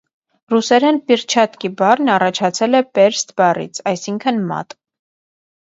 Ռուսերեն «պերչատկի» բառն առաջացել է պերստ բառից, այսինքն՝ մատ։